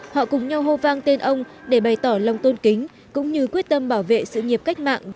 họ cùng nhau hô vang tên ông để bày tỏ lòng tôn kính cũng như quyết tâm bảo vệ sự nghiệp cách mạng